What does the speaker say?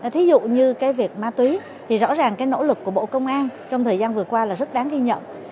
thí dụ như cái việc ma túy thì rõ ràng cái nỗ lực của bộ công an trong thời gian vừa qua là rất đáng ghi nhận